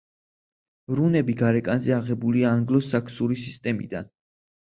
რუნები გარეკანზე აღებულია ანგლო-საქსური სისტემიდან.